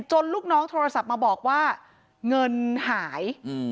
ลูกน้องโทรศัพท์มาบอกว่าเงินหาย